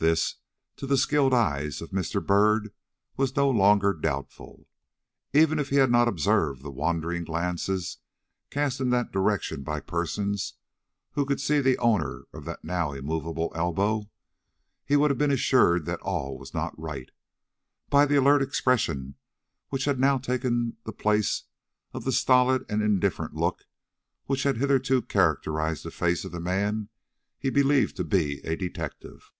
This, to the skilled eyes of Mr. Byrd, was no longer doubtful. Even if he had not observed the wondering glances cast in that direction by persons who could see the owner of that now immovable elbow, he would have been assured that all was not right, by the alert expression which had now taken the place of the stolid and indifferent look which had hitherto characterized the face of the man he believed to be a detective.